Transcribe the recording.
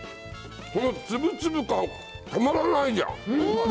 このつぶつぶ感、たまらないじゃん。